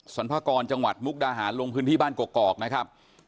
สรรพากรจังหวัดมุกดาหารลงพื้นที่บ้านกอกนะครับ